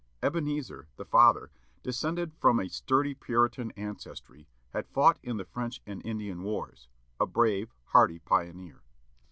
Ebenezer, the father, descended from a sturdy Puritan ancestry, had fought in the French and Indian Wars; a brave, hardy pioneer.